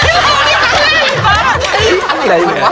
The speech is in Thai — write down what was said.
ทางดูชัย